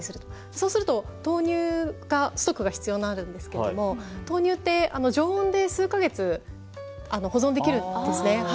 そうすると豆乳のストックが必要になるんですが豆乳って、常温で数か月保存できるんですね。